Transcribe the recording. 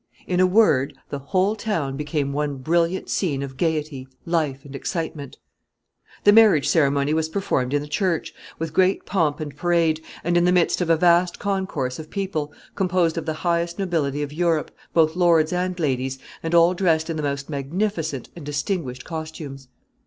In a word, the whole town became one brilliant scene of gayety, life, and excitement. [Sidenote: The marriage ceremony is performed.] [Sidenote: The bride's household.] The marriage ceremony was performed in the church, with great pomp and parade, and in the midst of a vast concourse of people, composed of the highest nobility of Europe, both lords and ladies, and all dressed in the most magnificent and distinguished costumes.